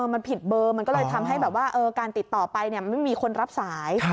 มันผิดเบอร์มันก็เลยทำให้แบบว่าการติดต่อไปไม่มีคนรับสาย